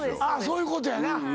そういうことやな。